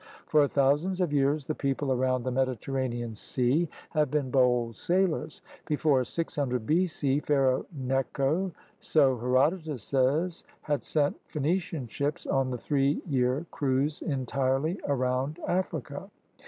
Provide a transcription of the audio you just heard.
For thousands of years the people around the Mediterranean Sea have been bold sailors. Before 600 B.C. Pharaoh Necho, so Herodotus says, had sent Phenician ships on a three year cruise entirely around Africa.